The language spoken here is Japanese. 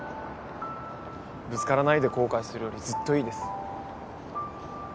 ぶつからないで後悔するよりずっといいです。